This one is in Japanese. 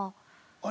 あれ？